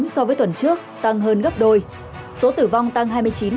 so với tuần trước tăng hơn gấp đôi số tử vong tăng hai mươi chín